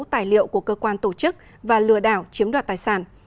tài liệu của cơ quan tổ chức và lừa đảo chiếm đoạt tài sản